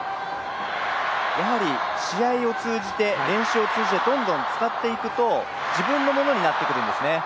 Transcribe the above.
やはり、試合を通じて練習を通じてどんどん使っていくと自分のものになってくるんですね。